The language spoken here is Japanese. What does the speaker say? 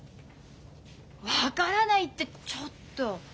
分からないってちょっと。